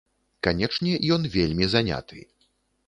Канечне, ён вельмі заняты.